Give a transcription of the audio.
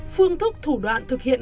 phương thức thủ đoạn thực hiện